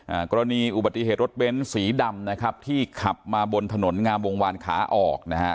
อ่ากรณีอุบัติเหตุรถเบ้นสีดำนะครับที่ขับมาบนถนนงามวงวานขาออกนะฮะ